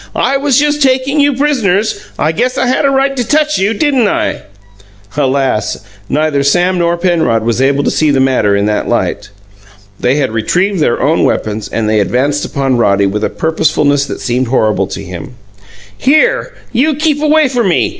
"I was just takin' you pris'ners. I guess I had a right to TOUCH you, didn't I?" Alas! Neither Sam nor Penrod was able to see the matter in that light. They had retrieved their own weapons, and they advanced upon Roddy with a purposefulness that seemed horrible to him. "Here! You keep away from me!"